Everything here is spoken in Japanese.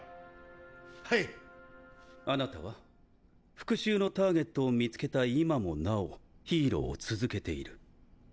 復讐のターゲットを見つけた今もなおヒーローを続けている。